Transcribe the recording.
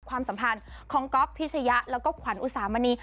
ความสัมพันธ์ของก๊อฟพิชยะแล้วก็ขวัญอุสามณี